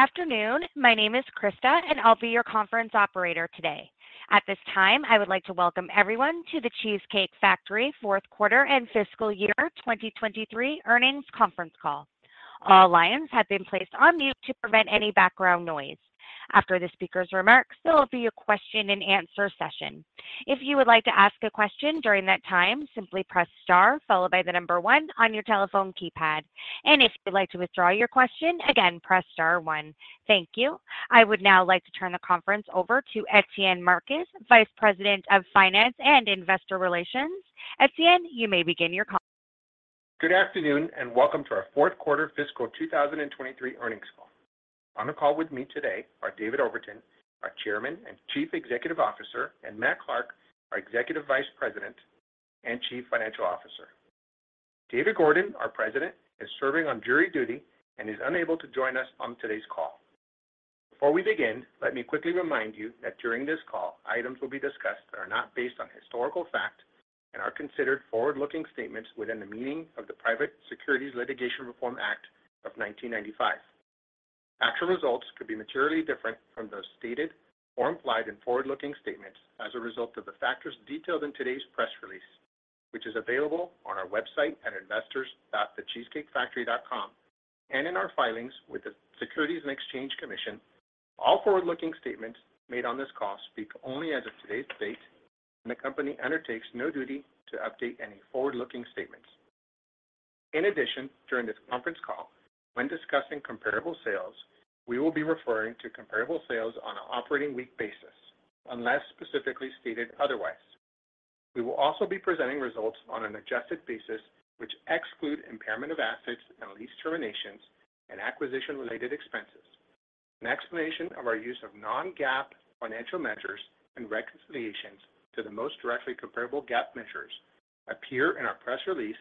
Good afternoon. My name is Krista, and I'll be your conference operator today. At this time, I would like to welcome everyone to The Cheesecake Factory Q4 and fiscal year 2023 earnings conference call. All lines have been placed on mute to prevent any background noise. After the speaker's remarks, there will be a question-and-answer session. If you would like to ask a question during that time, simply press star, followed by the number one on your telephone keypad. If you'd like to withdraw your question, again, press star one. Thank you. I would now like to turn the conference over to Etienne Marcus, Vice President of Finance and Investor Relations. Etienne, you may begin your call. Good afternoon, and welcome to our Q4 fiscal 2023 earnings call. On the call with me today are David Overton, our Chairman and Chief Executive Officer, and Matt Clark, our Executive Vice President and Chief Financial Officer. David Gordon, our President, is serving on jury duty and is unable to join us on today's call. Before we begin, let me quickly remind you that during this call, items will be discussed that are not based on historical fact and are considered forward-looking statements within the meaning of the Private Securities Litigation Reform Act of 1995. Actual results could be materially different from those stated or implied in forward-looking statements as a result of the factors detailed in today's press release, which is available on our website at investors.thecheesecakefactory.com, and in our filings with the Securities and Exchange Commission. All forward-looking statements made on this call speak only as of today's date, and the company undertakes no duty to update any forward-looking statements. In addition, during this conference call, when discussing comparable sales, we will be referring to comparable sales on an operating week basis, unless specifically stated otherwise. We will also be presenting results on an adjusted basis, which exclude impairment of assets and lease terminations and acquisition related expenses. An explanation of our use of non-GAAP financial measures and reconciliations to the most directly comparable GAAP measures appear in our press release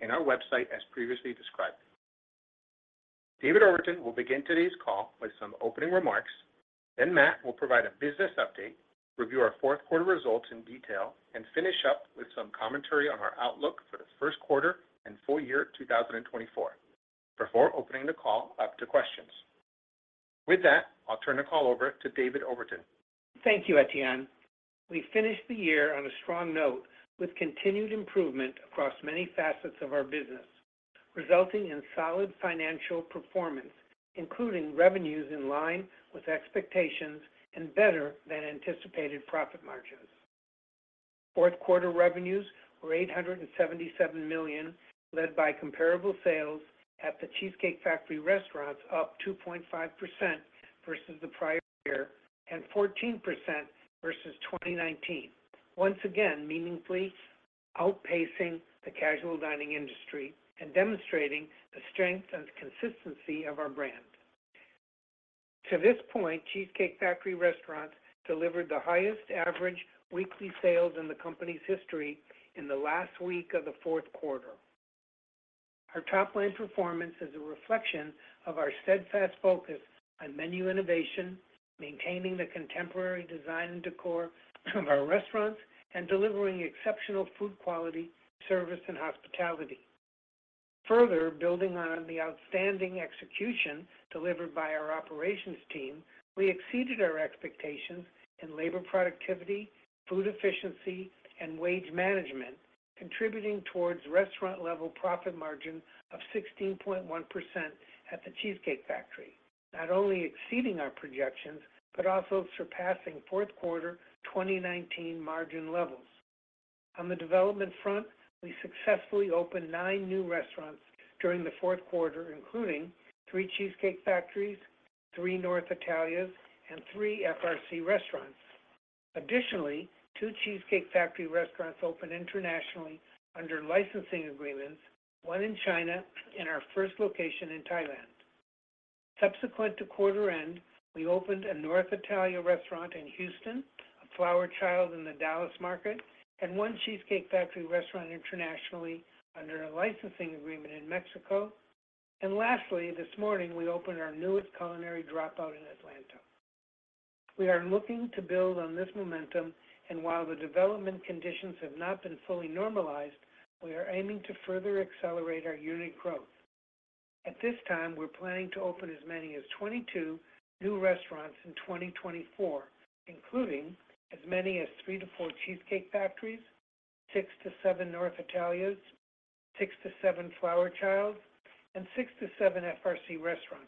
in our website as previously described. David Overton will begin today's call with some opening remarks, then Matt will provide a business update, review our Q4 results in detail, and finish up with some commentary on our outlook for the Q1 and full year 2024, before opening the call up to questions. With that, I'll turn the call over to David Overton. Thank you, Etienne. We finished the year on a strong note with continued improvement across many facets of our business, resulting in solid financial performance, including revenues in line with expectations and better than anticipated profit margins. Q4 revenues were $877 million, led by comparable sales at the Cheesecake Factory restaurants, up 2.5% versus the prior year and 14% versus 2019. Once again, meaningfully outpacing the casual dining industry and demonstrating the strength and consistency of our brand. To this point, Cheesecake Factory restaurants delivered the highest average weekly sales in the company's history in the last week of the Q4. Our top-line performance is a reflection of our steadfast focus on menu innovation, maintaining the contemporary design and decor of our restaurants, and delivering exceptional food quality, service, and hospitality. Further, building on the outstanding execution delivered by our operations team, we exceeded our expectations in labor productivity, food efficiency, and wage management, contributing towards restaurant-level profit margin of 16.1% at the Cheesecake Factory, not only exceeding our projections, but also surpassing Q4 2019 margin levels. On the development front, we successfully opened 9 new restaurants during the Q4, including 3 Cheesecake Factories, 3 North Italia, and 3 FRC restaurants. Additionally, 2 Cheesecake Factory restaurants opened internationally under licensing agreements, 1 in China and our first location in Thailand. Subsequent to quarter end, we opened a North Italia restaurant in Houston, a Flower Child in the Dallas market, and 1 Cheesecake Factory restaurant internationally under a licensing agreement in Mexico. Lastly, this morning, we opened our newest Culinary Dropout in Atlanta. We are looking to build on this momentum, and while the development conditions have not been fully normalized, we are aiming to further accelerate our unit growth. At this time, we're planning to open as many as 22 new restaurants in 2024, including as many as 3-4 Cheesecake Factory, 6-7 North Italia, 6-7 Flower Child, and 6-7 FRC restaurants.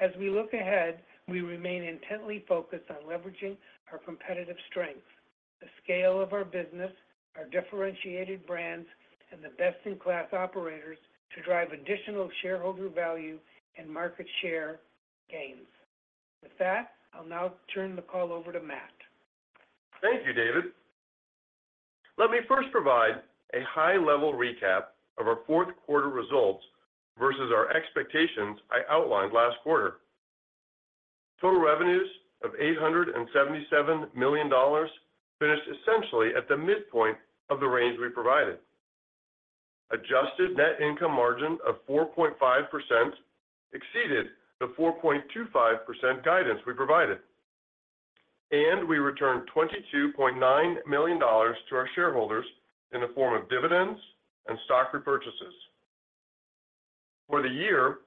As we look ahead, we remain intently focused on leveraging our competitive strength, the scale of our business, our differentiated brands, and the best-in-class operators to drive additional shareholder value and market share gains. With that, I'll now turn the call over to Matt. Thank you, David. Let me first provide a high-level recap of our Q4 results versus our expectations I outlined last quarter. Total revenues of $877 million finished essentially at the midpoint of the range we provided. Adjusted net income margin of 4.5% exceeded the 4.25% guidance we provided. ... and we returned $22.9 million to our shareholders in the form of dividends and stock repurchases. For the year,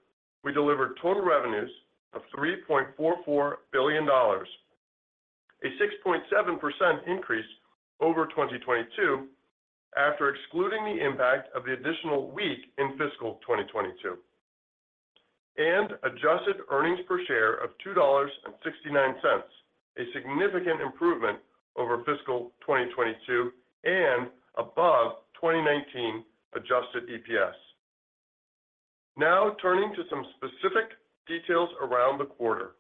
we delivered total revenues of $3.44 billion, a 6.7% increase over 2022, after excluding the impact of the additional week in fiscal 2022. Adjusted earnings per share of $2.69, a significant improvement over fiscal 2022 and above 2019 adjusted EPS. Now, turning to some specific details around the quarter.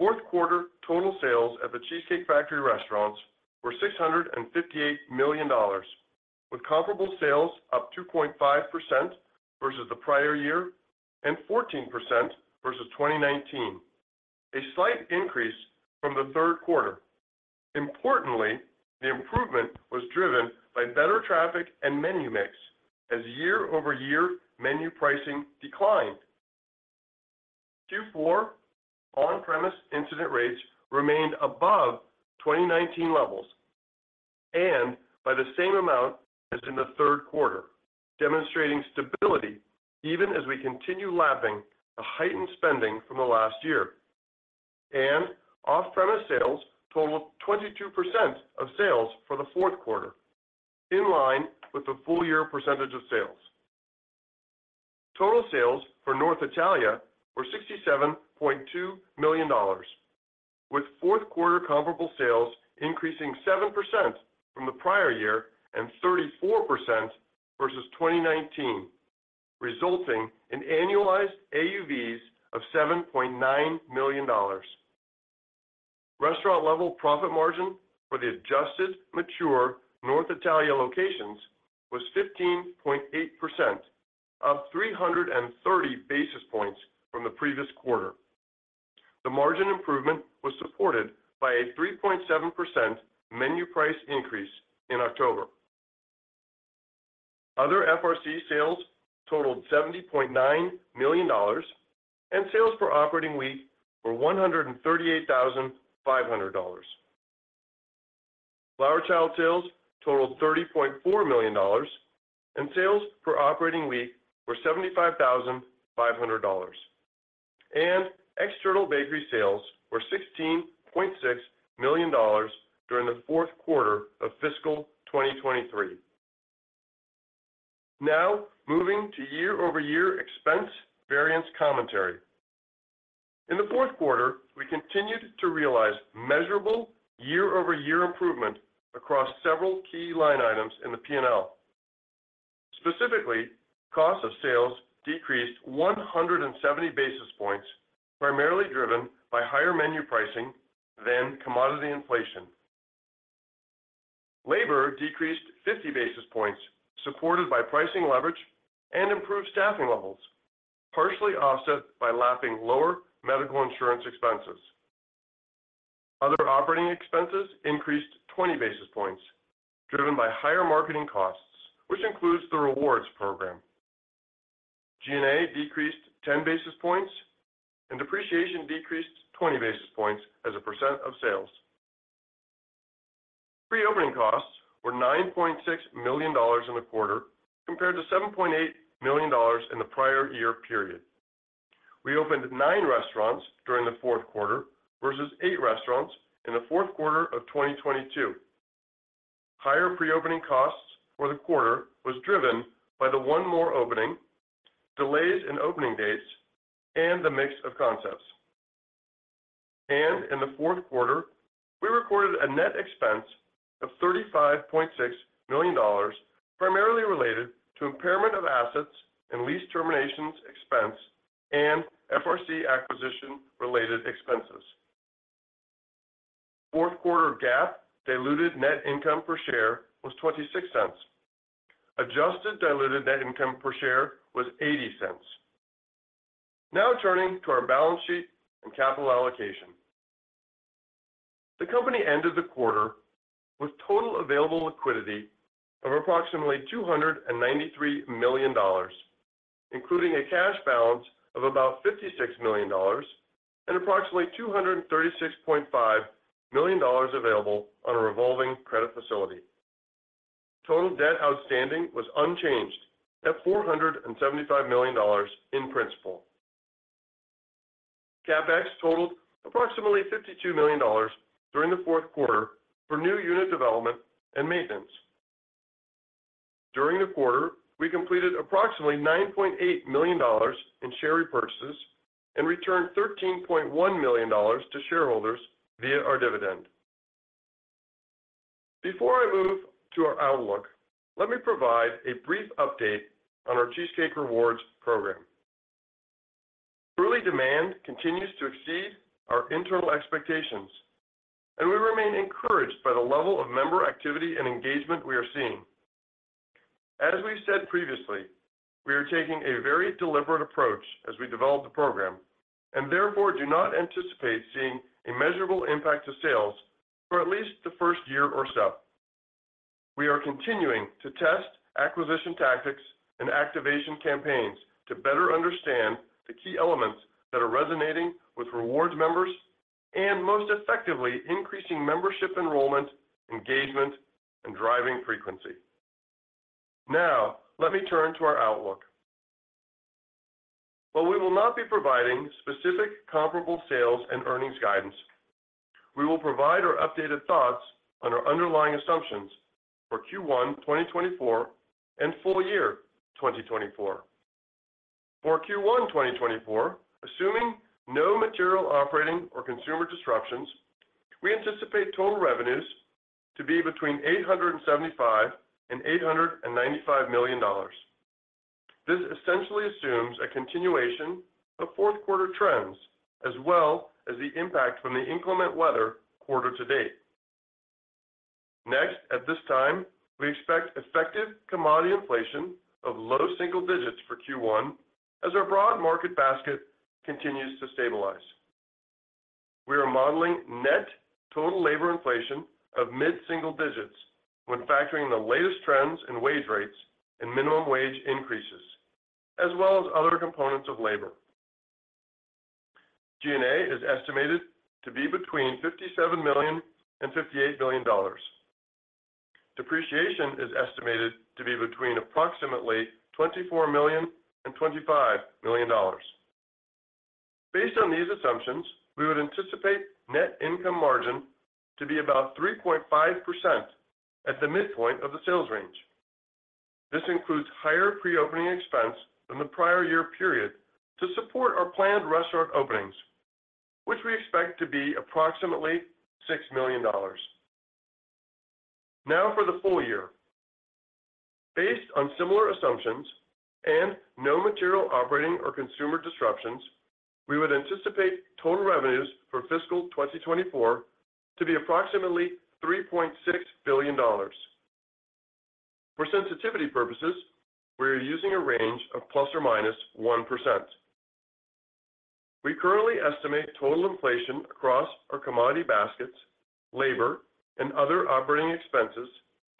Q4 total sales at The Cheesecake Factory restaurants were $658 million, with comparable sales up 2.5% versus the prior year and 14% versus 2019. A slight increase from the Q3. Importantly, the improvement was driven by better traffic and menu mix as year-over-year menu pricing declined. Q4 On-Premise incident rates remained above 2019 levels and by the same amount as in the Q3, demonstrating stability even as we continue lapping the heightened spending from the last year. Off-Premise sales totaled 22% of sales for the Q4, in line with the full year percentage of sales. Total sales for North Italia were $67.2 million, with Q4 comparable sales increasing 7% from the prior year, and 34% versus 2019, resulting in annualized AUVs of $7.9 million. Restaurant-level profit margin for the adjusted mature North Italia locations was 15.8%, up 330 basis points from the previous quarter. The margin improvement was supported by a 3.7% menu price increase in October. Other FRC sales totaled $70.9 million, and sales per operating week were $138,500. Flower Child sales totaled $30.4 million, and sales per operating week were $75,500. External bakery sales were $16.6 million during the Q4 of fiscal 2023. Now, moving to year-over-year expense variance commentary. In the Q4, we continued to realize measurable year-over-year improvement across several key line items in the P&L. Specifically, cost of sales decreased 170 basis points, primarily driven by higher menu pricing than commodity inflation. Labor decreased 50 basis points, supported by pricing leverage and improved staffing levels, partially offset by lapping lower medical insurance expenses. Other operating expenses increased 20 basis points, driven by higher marketing costs, which includes the rewards program. G&A decreased 10 basis points, and depreciation decreased 20 basis points as a % of sales. Pre-opening costs were $9.6 million in the quarter, compared to $7.8 million in the prior year period. We opened 9 restaurants during the Q4 versus 8 restaurants in the Q4 of 2022. Higher pre-opening costs for the quarter was driven by the 1 more opening, delays in opening dates, and the mix of concepts. In the Q4, we recorded a net expense of $35.6 million, primarily related to impairment of assets and lease terminations expense, and FRC acquisition-related expenses. Q4 GAAP diluted net income per share was $0.26. Adjusted diluted net income per share was $0.80. Now turning to our balance sheet and capital allocation. The company ended the quarter with total available liquidity of approximately $293 million, including a cash balance of about $56 million and approximately $236.5 million available on a revolving credit facility. Total debt outstanding was unchanged at $475 million in principal. CapEx totaled approximately $52 million during the Q4 for new unit development and maintenance. During the quarter, we completed approximately $9.8 million in share repurchases and returned $13.1 million to shareholders via our dividend. Before I move to our outlook, let me provide a brief update on our Cheesecake Rewards program. Early demand continues to exceed our internal expectations, and we remain encouraged by the level of member activity and engagement we are seeing. As we've said previously, we are taking a very deliberate approach as we develop the program, and therefore, do not anticipate seeing a measurable impact to sales for at least the first year or so. We are continuing to test acquisition tactics and activation campaigns to better understand the key elements that are resonating with rewards members and most effectively increasing membership enrollment, engagement, and driving frequency. Now, let me turn to our outlook. While we will not be providing specific comparable sales and earnings guidance, we will provide our updated thoughts on our underlying assumptions for Q1 2024 and full year 2024. For Q1 2024, assuming no material operating or consumer disruptions, we anticipate total revenues to be between $875 million and $895 million. This essentially assumes a continuation of Q4 trends, as well as the impact from the inclement weather quarter to date. Next, at this time, we expect effective commodity inflation of low single digits for Q1 as our broad market basket continues to stabilize. We are modeling net total labor inflation of mid-single digits when factoring the latest trends in wage rates and minimum wage increases, as well as other components of labor. G&A is estimated to be between $57 million and $58 million. Depreciation is estimated to be between approximately $24 million and $25 million. Based on these assumptions, we would anticipate net income margin to be about 3.5% at the midpoint of the sales range. This includes higher pre-opening expense than the prior year period to support our planned restaurant openings, which we expect to be approximately $6 million. Now, for the full year. Based on similar assumptions and no material operating or consumer disruptions, we would anticipate total revenues for fiscal 2024 to be approximately $3.6 billion. For sensitivity purposes, we are using a range of ±1%. We currently estimate total inflation across our commodity baskets, labor, and other operating expenses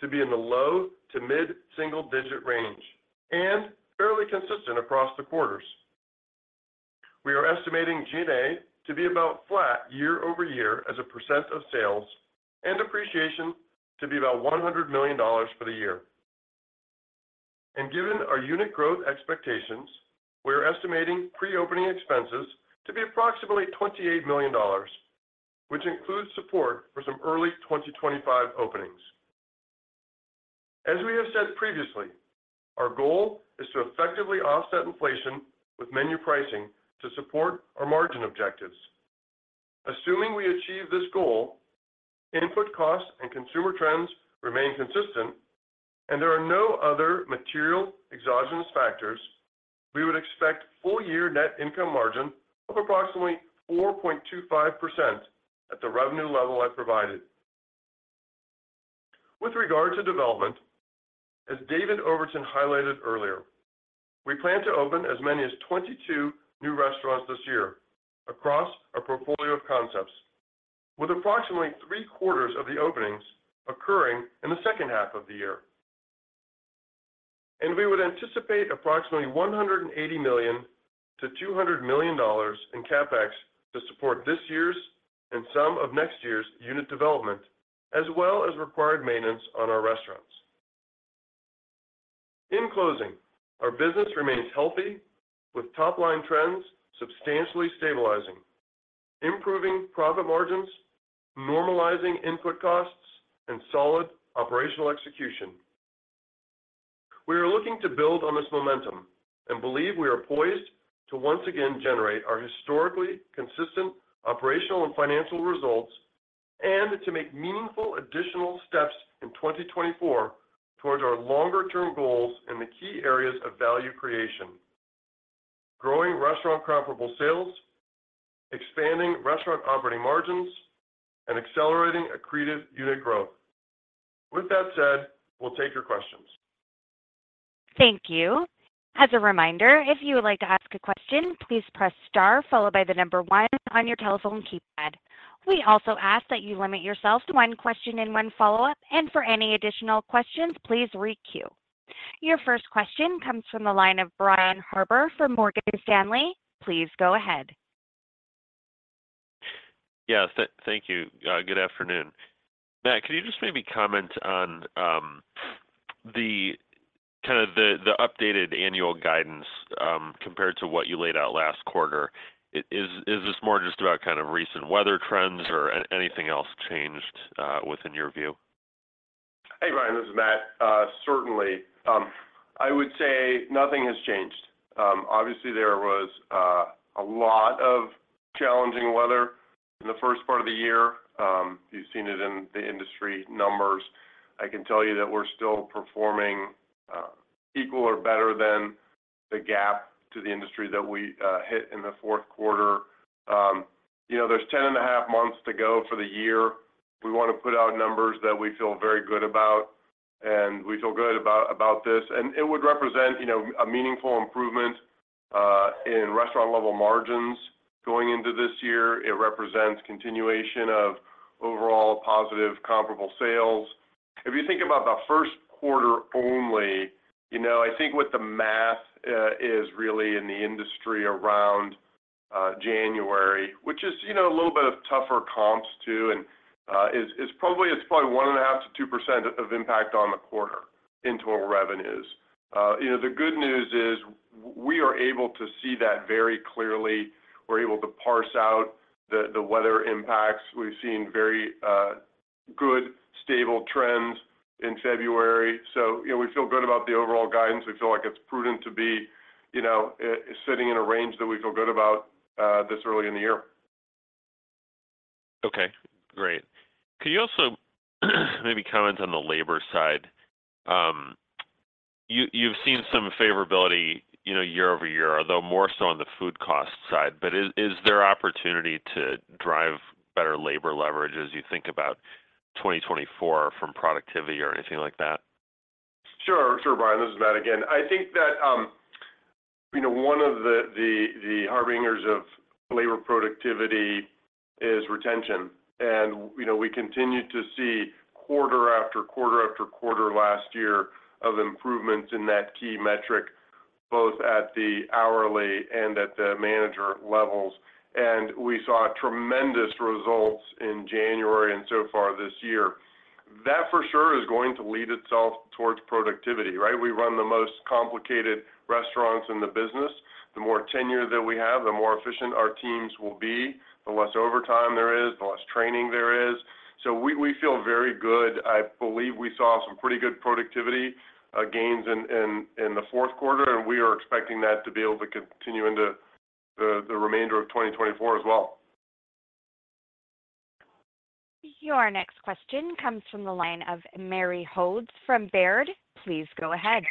to be in the low to mid-single digit range and fairly consistent across the quarters. We are estimating G&A to be about flat year over year as a % of sales, and depreciation to be about $100 million for the year. And given our unit growth expectations, we are estimating pre-opening expenses to be approximately $28 million, which includes support for some early 2025 openings. As we have said previously, our goal is to effectively offset inflation with menu pricing to support our margin objectives. Assuming we achieve this goal, input costs and consumer trends remain consistent, and there are no other material exogenous factors, we would expect full-year net income margin of approximately 4.25% at the revenue level I provided. With regard to development, as David Overton highlighted earlier, we plan to open as many as 22 new restaurants this year across a portfolio of concepts, with approximately three quarters of the openings occurring in the H2 of the year. And we would anticipate approximately $180 million-$200 million in CapEx to support this year's and some of next year's unit development, as well as required maintenance on our restaurants. In closing, our business remains healthy, with top-line trends substantially stabilizing, improving profit margins, normalizing input costs, and solid operational execution. We are looking to build on this momentum and believe we are poised to once again generate our historically consistent operational and financial results, and to make meaningful additional steps in 2024 towards our longer-term goals in the key areas of value creation, growing restaurant comparable sales, expanding restaurant operating margins, and accelerating accretive unit growth. With that said, we'll take your questions. Thank you. As a reminder, if you would like to ask a question, please press star followed by the number one on your telephone keypad. We also ask that you limit yourself to one question and one follow-up, and for any additional questions, please requeue. Your first question comes from the line of Brian Harbour from Morgan Stanley. Please go ahead. Yeah, thank you. Good afternoon. Matt, could you just maybe comment on kind of the updated annual guidance compared to what you laid out last quarter? Is this more just about kind of recent weather trends or anything else changed within your view? Hey, Brian, this is Matt. Certainly. I would say nothing has changed. Obviously, there was a lot of challenging weather in the first part of the year. You've seen it in the industry numbers. I can tell you that we're still performing equal or better than the gap to the industry that we hit in the Q4. You know, there's 10.5 months to go for the year. We want to put out numbers that we feel very good about, and we feel good about, about this. And it would represent, you know, a meaningful improvement in restaurant level margins going into this year. It represents continuation of overall positive comparable sales. If you think about the Q1 only, you know, I think what the math is really in the industry around January, which is, you know, a little bit of tougher comps, too, and is probably. It's probably 1.5%-2% of impact on the quarter in total revenues. You know, the good news is we are able to see that very clearly. We're able to parse out the weather impacts. We've seen very good, stable trends in February. So, you know, we feel good about the overall guidance. We feel like it's prudent to be, you know, sitting in a range that we feel good about this early in the year. Okay, great. Could you also, maybe comment on the labor side? You, you've seen some favorability, you know, year-over-year, although more so on the food cost side. But is there opportunity to drive better labor leverage as you think about 2024 from productivity or anything like that? Sure. Sure, Brian, this is Matt again. I think that, you know, one of the harbingers of labor productivity is retention. And, you know, we continue to see quarter after quarter after quarter last year of improvements in that key metric, both at the hourly and at the manager levels. And we saw tremendous results in January and so far this year. That, for sure, is going to lead itself towards productivity, right? We run the most complicated restaurants in the business. The more tenure that we have, the more efficient our teams will be, the less overtime there is, the less training there is. So we feel very good. I believe we saw some pretty good productivity gains in the Q4, and we are expecting that to be able to continue into the remainder of 2024 as well. Your next question comes from the line of Mary Hodes from Baird. Please go ahead.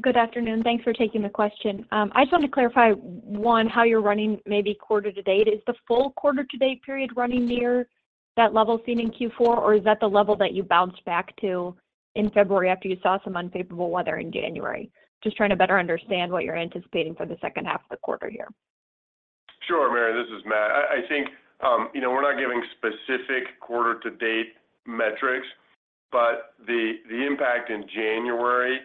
Good afternoon. Thanks for taking the question. I just want to clarify, one, how you're running maybe quarter to date. Is the full quarter to date period running near that level seen in Q4, or is that the level that you bounced back to in February after you saw some unfavorable weather in January? Just trying to better understand what you're anticipating for the H2 of the quarter here. Sure, Mary, this is Matt. I, I think, you know, we're not giving specific quarter-to-date metrics, but the impact in January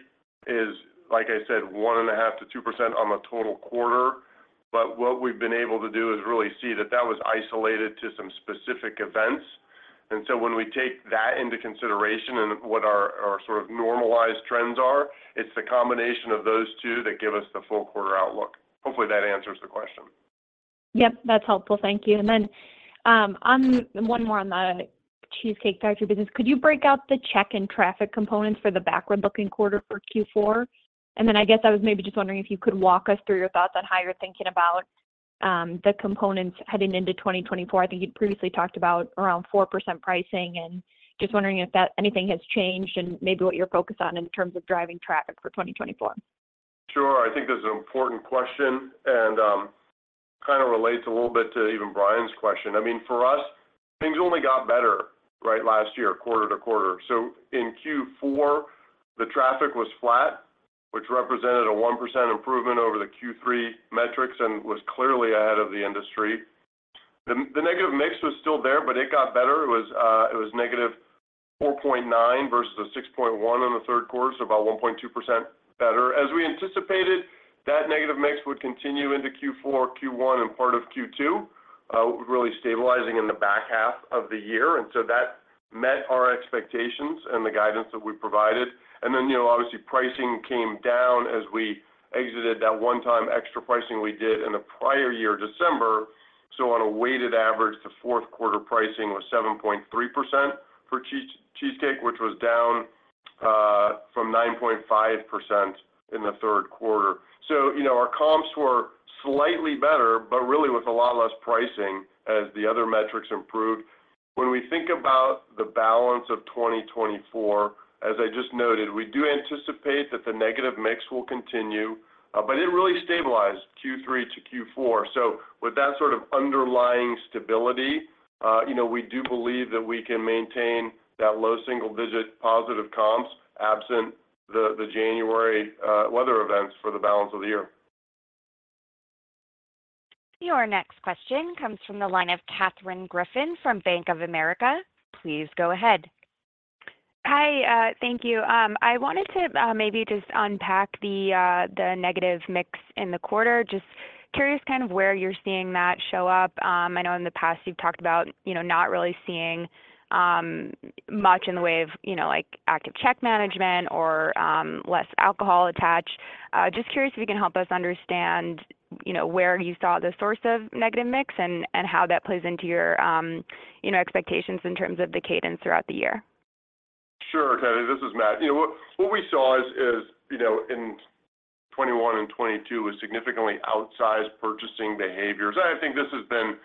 is, like I said, 1.5%-2% on the total quarter. But what we've been able to do is really see that that was isolated to some specific events. And so when we take that into consideration and what our sort of normalized trends are, it's the combination of those two that give us the full quarter outlook. Hopefully, that answers the question. Yep, that's helpful. Thank you. And then, on one more on the Cheesecake Factory business. Could you break out the check and traffic components for the backward-looking quarter for Q4? And then I guess I was maybe just wondering if you could walk us through your thoughts on how you're thinking about, the components heading into 2024. I think you previously talked about around 4% pricing, and just wondering if that anything has changed and maybe what you're focused on in terms of driving traffic for 2024. Sure. I think this is an important question and kind of relates a little bit to even Brian's question. I mean, for us, things only got better, right, last year, quarter to quarter. So in Q4, the traffic was flat, which represented a 1% improvement over the Q3 metrics and was clearly ahead of the industry. The negative mix was still there, but it got better. It was negative 4.9 versus a 6.1 in the Q3, so about 1.2% better. As we anticipated, that negative mix would continue into Q4, Q1, and part of Q2, really stabilizing in the back half of the year. And so that met our expectations and the guidance that we provided. Then, you know, obviously, pricing came down as we exited that one-time extra pricing we did in the prior year, December. So on a weighted average, the Q4 pricing was 7.3% for Cheesecake, which was down from 9.5% in the Q3. So, you know, our comps were slightly better, but really with a lot less pricing as the other metrics improved. When we think about the balance of 2024, as I just noted, we do anticipate that the negative mix will continue, but it really stabilized Q3 to Q4. So with that sort of underlying stability, you know, we do believe that we can maintain that low single-digit positive comps, absent the January weather events for the balance of the year. Your next question comes from the line of Katherine Griffin from Bank of America. Please go ahead. Hi, thank you. I wanted to maybe just unpack the negative mix in the quarter. Just curious, kind of where you're seeing that show up. I know in the past you've talked about, you know, not really seeing much in the way of, you know, like active check management or less alcohol attached. Just curious if you can help us understand, you know, where you saw the source of negative mix and how that plays into your, you know, expectations in terms of the cadence throughout the year. Sure, Katherine, this is Matt. You know, what we saw is, you know, in 2021 and 2022 was significantly outsized purchasing behaviors. I think this has been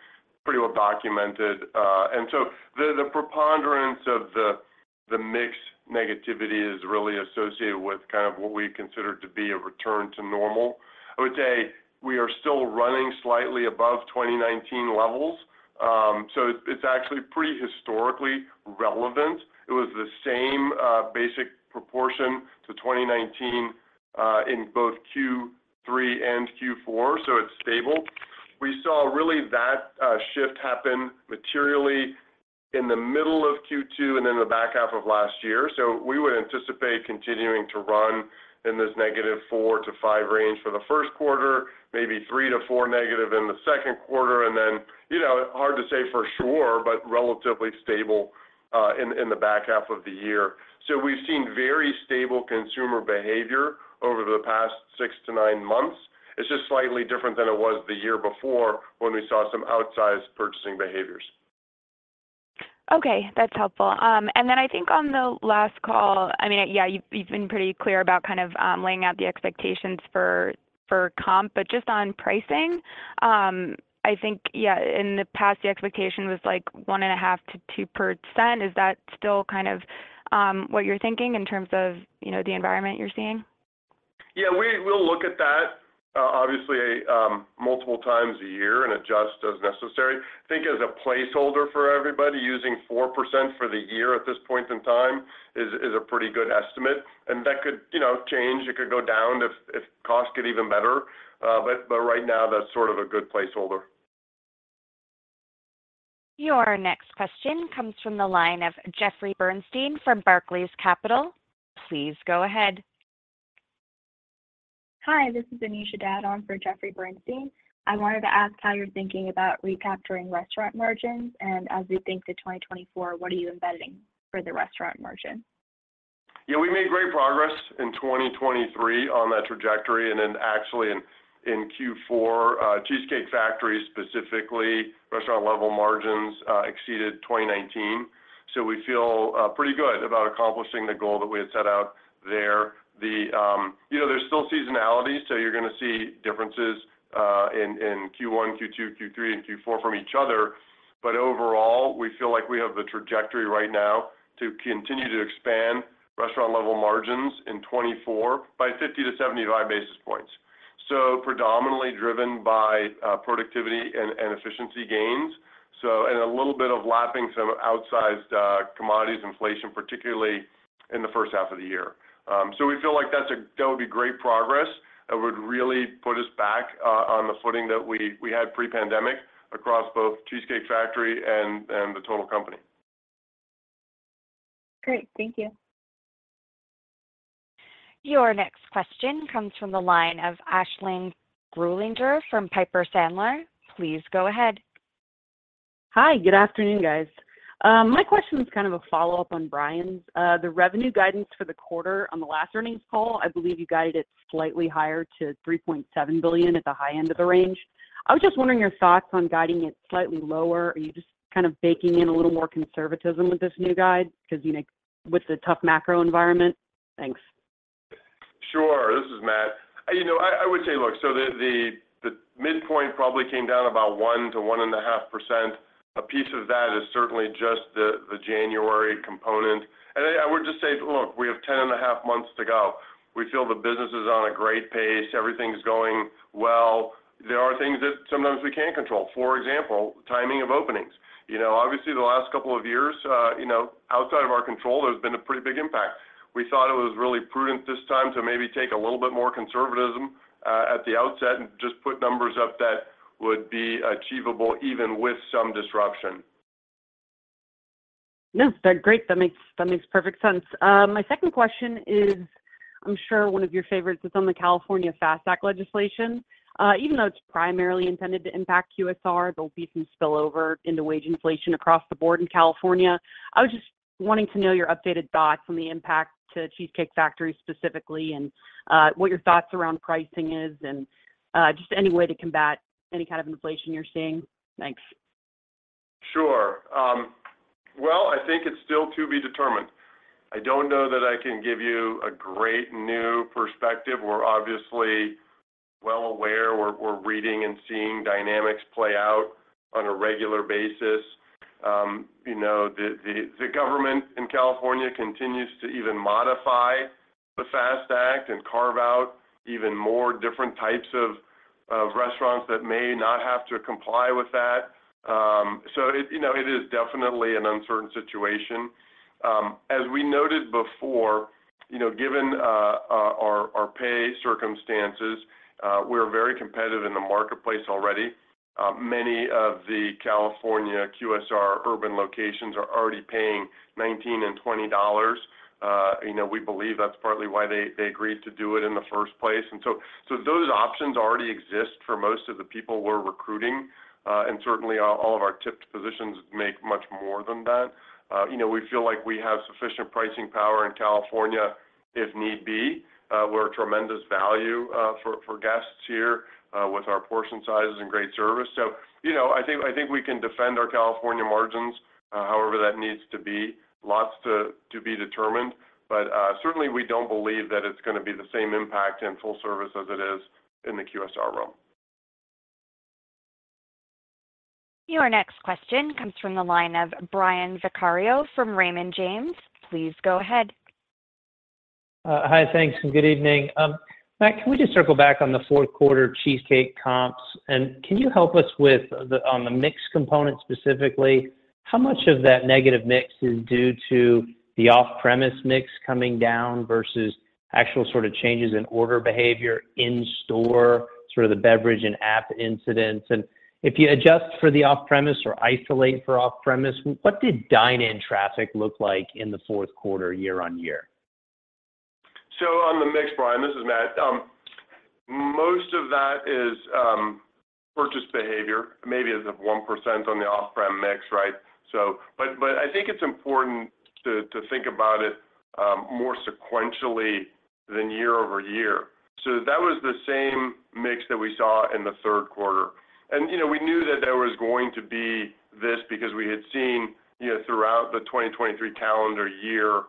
pretty well documented. And so the preponderance of the mix negativity is really associated with kind of what we consider to be a return to normal. I would say we are still running slightly above 2019 levels. So it's actually pretty historically relevant. It was the same basic proportion to 2019 in both Q3 and Q4, so it's stable. We saw really that shift happen materially in the middle of Q2, and then the back half of last year. So we would anticipate continuing to run in this negative 4-5 range for the Q1, maybe 3-4 negative in the Q2, and then, you know, hard to say for sure, but relatively stable in the back half of the year. So we've seen very stable consumer behavior over the past 6-9 months. It's just slightly different than it was the year before, when we saw some outsized purchasing behaviors. Okay, that's helpful. And then I think on the last call, I mean, yeah, you've, you've been pretty clear about kind of laying out the expectations for, for comp, but just on pricing, I think, yeah, in the past, the expectation was, like, 1.5%-2%. Is that still kind of what you're thinking in terms of, you know, the environment you're seeing? Yeah, we'll look at that, obviously, multiple times a year and adjust as necessary. I think as a placeholder for everybody, using 4% for the year at this point in time is a pretty good estimate, and that could, you know, change. It could go down if costs get even better, but right now, that's sort of a good placeholder. Your next question comes from the line of Jeffrey Bernstein from Barclays Capital. Please go ahead. Hi, this is Anisha Dadon for Jeffrey Bernstein. I wanted to ask how you're thinking about recapturing restaurant margins, and as we think to 2024, what are you embedding for the restaurant margin? Yeah, we made great progress in 2023 on that trajectory, and then actually in Q4, Cheesecake Factory, specifically, restaurant-level margins exceeded 2019. So we feel pretty good about accomplishing the goal that we had set out there. The... You know, there's still seasonality, so you're gonna see differences in Q1, Q2, Q3, and Q4 from each other, but overall, we feel like we have the trajectory right now to continue to expand restaurant-level margins in 2024 by 50-75 basis points, so predominantly driven by productivity and efficiency gains, so, and a little bit of lapping some outsized commodities inflation, particularly in the H1 of the year. So we feel like that would be great progress. That would really put us back on the footing that we had pre-pandemic across both Cheesecake Factory and the total company. Great. Thank you. Your next question comes from the line of Aisling Grueninger from Piper Sandler. Please go ahead. Hi, good afternoon, guys. My question is kind of a follow-up on Brian's. The revenue guidance for the quarter on the last earnings call, I believe you guided it slightly higher to $3.7 billion at the high end of the range. I was just wondering your thoughts on guiding it slightly lower. Are you just kind of baking in a little more conservatism with this new guide because, you know, with the tough macro environment? Thanks. Sure. This is Matt. You know, I would say, look, so the midpoint probably came down about 1-1.5%. A piece of that is certainly just the January component. And I would just say, look, we have 10.5 months to go. We feel the business is on a great pace. Everything's going well. There are things that sometimes we can't control. For example, timing of openings. You know, obviously, the last couple of years, outside of our control, there's been a pretty big impact. We thought it was really prudent this time to maybe take a little bit more conservatism at the outset and just put numbers up that would be achievable even with some disruption. No, that's great. That makes, that makes perfect sense. My second question is, I'm sure one of your favorites. It's on the California FAST Act legislation. Even though it's primarily intended to impact QSR, there'll be some spillover into wage inflation across the board in California. I was just wanting to know your updated thoughts on the impact to Cheesecake Factory specifically, and what your thoughts around pricing is, and just any way to combat any kind of inflation you're seeing. Thanks. Sure. Well, I think it's still to be determined. I don't know that I can give you a great new perspective. We're obviously well aware. We're reading and seeing dynamics play out on a regular basis. You know, the government in California continues to even modify the FAST Act and carve out even more different types of restaurants that may not have to comply with that. So it, you know, it is definitely an uncertain situation. As we noted before, you know, given our pay circumstances, we're very competitive in the marketplace already. Many of the California QSR urban locations are already paying $19-$20. You know, we believe that's partly why they agreed to do it in the first place, and so those options already exist for most of the people we're recruiting, and certainly all of our tipped positions make much more than that. You know, we feel like we have sufficient pricing power in California if need be. We're a tremendous value for guests here with our portion sizes and great service. So, you know, I think we can defend our California margins however that needs to be. Lots to be determined, but certainly, we don't believe that it's gonna be the same impact in full service as it is in the QSR realm. Your next question comes from the line of Brian Vaccaro from Raymond James. Please go ahead. ... Hi. Thanks, and good evening. Matt, can we just circle back on the Q4 Cheesecake comps? Can you help us with the mix component specifically, how much of that negative mix is due to the off-premise mix coming down versus actual sort of changes in order behavior in store, sort of the beverage and app incidents? And if you adjust for the off-premise or isolate for off-premise, what did dine-in traffic look like in the Q4, year-on-year? So on the mix, Brian, this is Matt. Most of that is purchase behavior, maybe as much as 1% on the off-premise mix, right? But I think it's important to think about it more sequentially than year-over-year. So that was the same mix that we saw in the Q3. And, you know, we knew that there was going to be this because we had seen, you know, throughout the 2023 calendar year,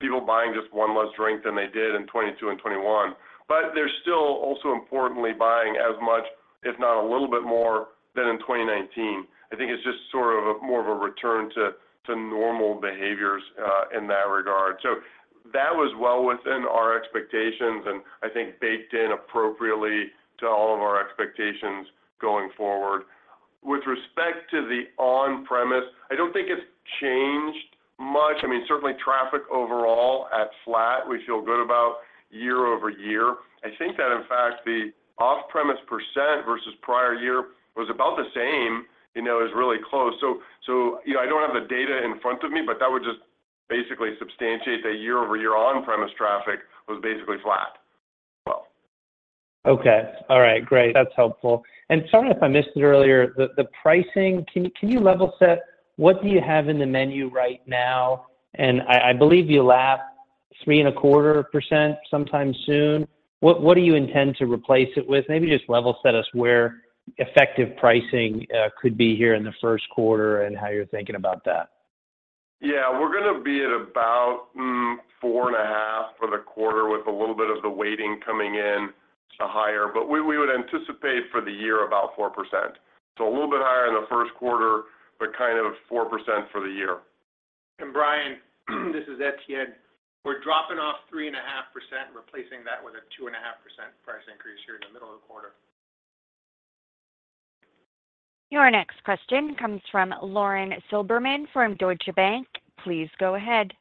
people buying just one less drink than they did in 2022 and 2021. But they're still also importantly buying as much, if not a little bit more than in 2019. I think it's just sort of more of a return to normal behaviors in that regard. So that was well within our expectations, and I think baked in appropriately to all of our expectations going forward. With respect to the on-premise, I don't think it's changed much. I mean, certainly traffic overall at flat, we feel good about year-over-year. I think that, in fact, the off-premise percent versus prior year was about the same, you know, is really close. So, you know, I don't have the data in front of me, but that would just basically substantiate that year-over-year on-premise traffic was basically flat as well. Okay. All right, great. That's helpful. And sorry, if I missed it earlier, the pricing, can you level set, what do you have in the menu right now? And I believe you lap 3.25% sometime soon. What do you intend to replace it with? Maybe just level set us where effective pricing could be here in the Q1 and how you're thinking about that. Yeah, we're going to be at about 4.5 for the quarter, with a little bit of the weighting coming in to higher. But we would anticipate for the year about 4%. So a little bit higher in the Q1, but kind of 4% for the year. Brian, this is Etienne. We're dropping off 3.5%, replacing that with a 2.5% price increase here in the middle of the quarter. Your next question comes from Lauren Silberman from Deutsche Bank. Please go ahead.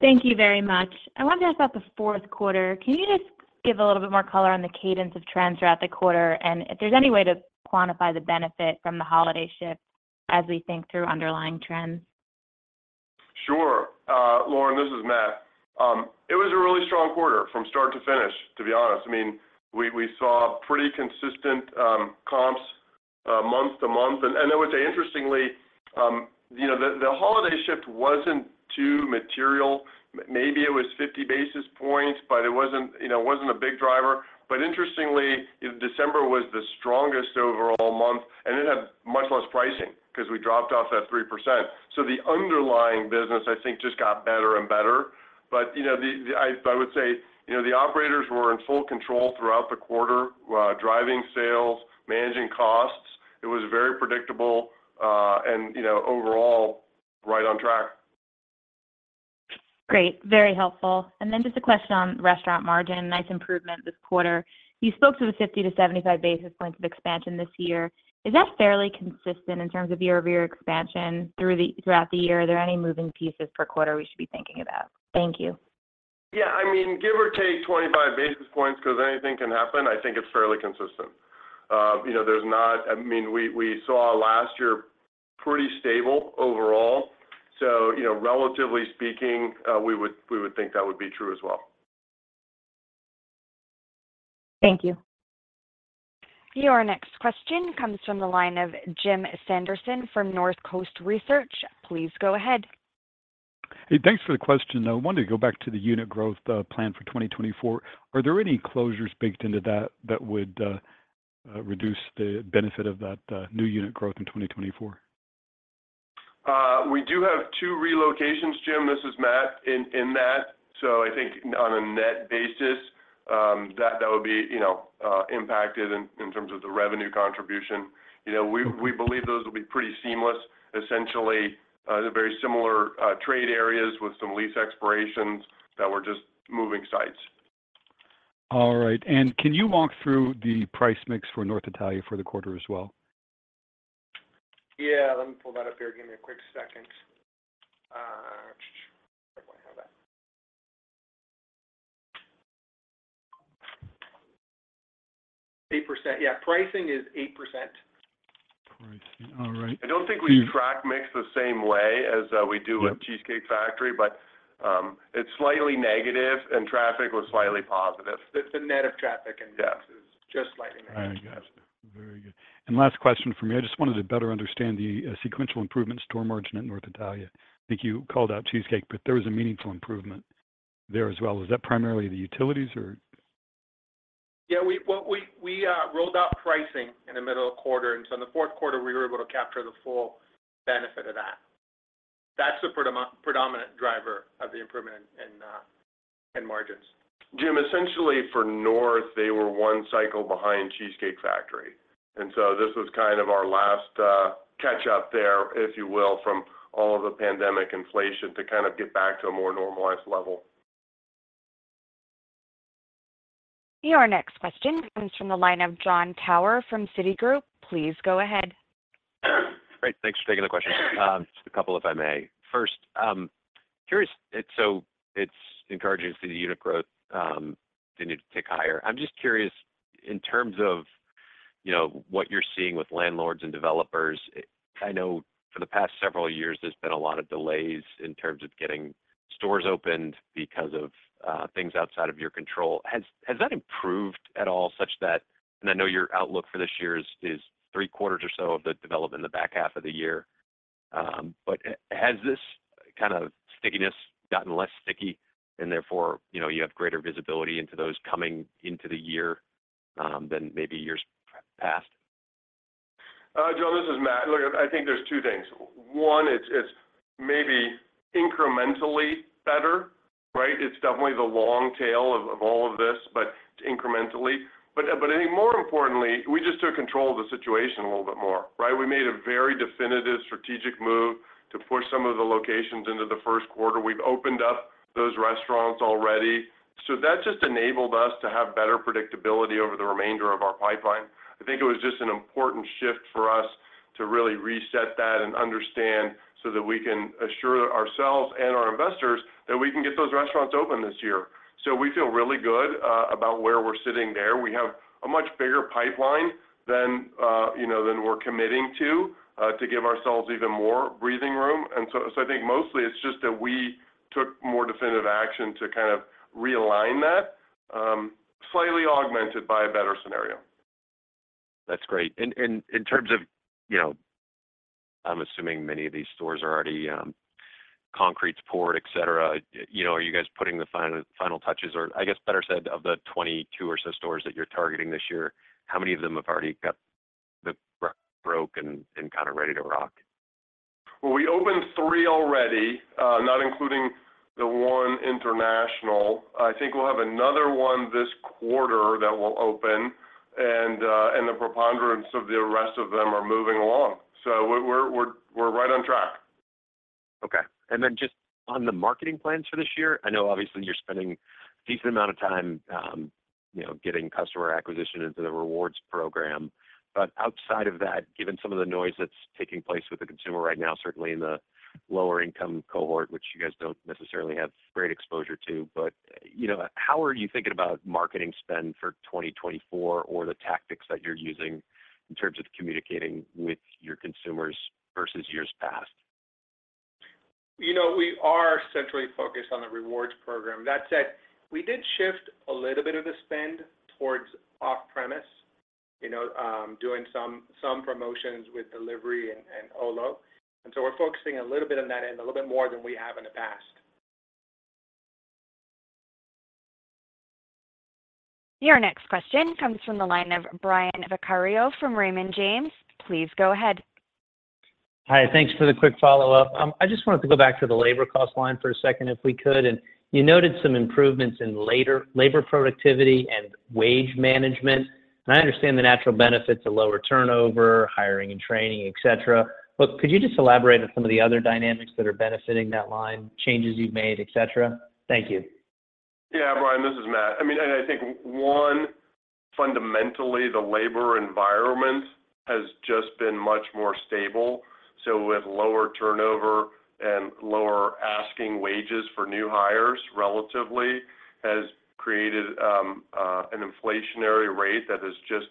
Thank you very much. I wanted to ask about the Q4. Can you just give a little bit more color on the cadence of trends throughout the quarter, and if there's any way to quantify the benefit from the holiday shift as we think through underlying trends? Sure. Lauren, this is Matt. It was a really strong quarter from start to finish, to be honest. I mean, we saw pretty consistent comps month to month. And I would say interestingly, you know, the holiday shift wasn't too material. Maybe it was 50 basis points, but it wasn't, you know, it wasn't a big driver. But interestingly, December was the strongest overall month, and it had much less pricing because we dropped off that 3%. So the underlying business, I think, just got better and better. But you know, the operators were in full control throughout the quarter, driving sales, managing costs. It was very predictable, and you know, overall, right on track. Great, very helpful. And then just a question on restaurant margin. Nice improvement this quarter. You spoke to the 50-75 basis points of expansion this year. Is that fairly consistent in terms of year-over-year expansion throughout the year? Are there any moving pieces per quarter we should be thinking about? Thank you. Yeah, I mean, give or take 25 basis points, because anything can happen. I think it's fairly consistent. You know, there's not... I mean, we saw last year pretty stable overall. So, you know, relatively speaking, we would think that would be true as well. Thank you. Your next question comes from the line of Jim Sanderson from Northcoast Research. Please go ahead. Hey, thanks for the question. I wanted to go back to the unit growth plan for 2024. Are there any closures baked into that that would reduce the benefit of that new unit growth in 2024? We do have two relocations, Jim. This is Matt, in that. So I think on a net basis, that would be, you know, impacted in terms of the revenue contribution. You know, we believe those will be pretty seamless. Essentially, they're very similar trade areas with some lease expirations that we're just moving sites. All right. Can you walk through the price mix for North Italia for the quarter as well? Yeah, let me pull that up here. Give me a quick second. I have that. 8%. Yeah, pricing is 8%. Pricing, all right. I don't think we track mix the same way as, we do- Yeah with Cheesecake Factory, but it's slightly negative and traffic was slightly positive. It's a net of traffic and yes, is just slightly negative. I got you. Very good. Last question from me. I just wanted to better understand the sequential improvement store margin at North Italia. I think you called out Cheesecake, but there was a meaningful improvement there as well. Is that primarily the utilities or? Yeah, well, we rolled out pricing in the middle of the quarter, and so in the Q4, we were able to capture the full benefit of that. That's the predominant driver of the improvement in margins.... Jim, essentially for North, they were one cycle behind Cheesecake Factory. And so this was kind of our last catch up there, if you will, from all of the pandemic inflation to kind of get back to a more normalized level. Your next question comes from the line of Jon Tower from Citigroup. Please go ahead. Great. Thanks for taking the question. Just a couple, if I may. First, curious, so it's encouraging to see the unit growth continue to tick higher. I'm just curious, in terms of, you know, what you're seeing with landlords and developers. I know for the past several years, there's been a lot of delays in terms of getting stores opened because of things outside of your control. Has that improved at all, such that and I know your outlook for this year is three quarters or so of the development in the back half of the year, but has this kind of stickiness gotten less sticky and therefore, you know, you have greater visibility into those coming into the year than maybe years past? Jon, this is Matt. Look, I think there's two things. One, it's, it's maybe incrementally better, right? It's definitely the long tail of, of all of this, but incrementally. But, but I think more importantly, we just took control of the situation a little bit more, right? We made a very definitive strategic move to push some of the locations into the Q1. We've opened up those restaurants already. So that just enabled us to have better predictability over the remainder of our pipeline. I think it was just an important shift for us to really reset that and understand, so that we can assure ourselves and our investors that we can get those restaurants open this year. So we feel really good about where we're sitting there. We have a much bigger pipeline than, you know, than we're committing to, to give ourselves even more breathing room. And so I think mostly it's just that we took more definitive action to kind of realign that, slightly augmented by a better scenario. That's great. And in terms of, you know, I'm assuming many of these stores are already concrete's poured, et cetera, you know, are you guys putting the final touches or I guess better said, of the 22 or so stores that you're targeting this year, how many of them have already got the broken ground and kind of ready to rock? Well, we opened three already, not including the one international. I think we'll have another one this quarter that will open, and, and the preponderance of the rest of them are moving along. So we're right on track. Okay. Then just on the marketing plans for this year, I know obviously you're spending a decent amount of time, you know, getting customer acquisition into the rewards program. But outside of that, given some of the noise that's taking place with the consumer right now, certainly in the lower income cohort, which you guys don't necessarily have great exposure to, but, you know, how are you thinking about marketing spend for 2024 or the tactics that you're using in terms of communicating with your consumers versus years past? You know, we are centrally focused on the rewards program. That said, we did shift a little bit of the spend towards off-premise, you know, doing some promotions with delivery and Olo. And so we're focusing a little bit on that end, a little bit more than we have in the past. Your next question comes from the line of Brian Vaccaro from Raymond James. Please go ahead. Hi, thanks for the quick follow-up. I just wanted to go back to the labor cost line for a second, if we could. You noted some improvements in labor productivity and wage management, and I understand the natural benefits of lower turnover, hiring and training, et cetera. But could you just elaborate on some of the other dynamics that are benefiting that line, changes you've made, et cetera? Thank you. Yeah, Brian, this is Matt. I mean, and I think, one, fundamentally, the labor environment has just been much more stable. So with lower turnover and lower asking wages for new hires, relatively, has created an inflationary rate that has just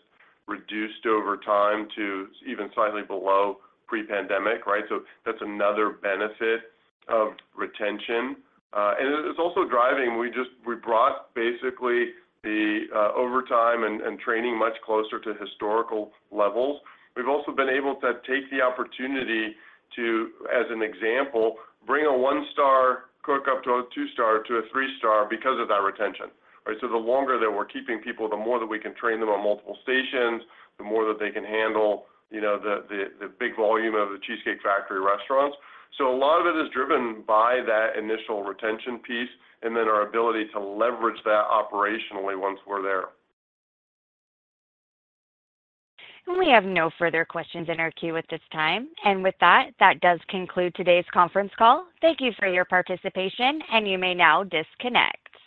reduced over time to even slightly below pre-pandemic, right? So that's another benefit of retention. And it's also driving, we just brought basically the overtime and training much closer to historical levels. We've also been able to take the opportunity to, as an example, bring a one-star cook up to a two-star to a three-star because of that retention, right? So the longer that we're keeping people, the more that we can train them on multiple stations, the more that they can handle, you know, the big volume of The Cheesecake Factory restaurants. A lot of it is driven by that initial retention piece and then our ability to leverage that operationally once we're there. We have no further questions in our queue at this time. With that, that does conclude today's conference call. Thank you for your participation, and you may now disconnect.